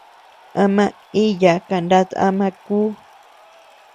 Ama iʼyaa kanat ama kuu.